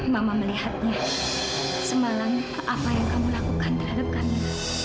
mama melihatnya semalam apa yang kamu lakukan terhadap kamu